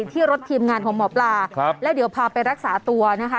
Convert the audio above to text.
ที่รถทีมงานของหมอปลาแล้วเดี๋ยวพาไปรักษาตัวนะคะ